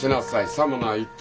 さもないと。